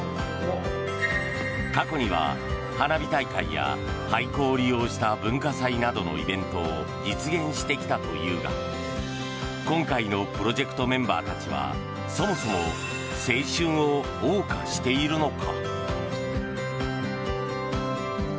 過去には花火大会や廃校を利用した文化祭などのイベントを実現してきたというが今回のプロジェクトメンバーたちはそもそも青春をおう歌しているのか？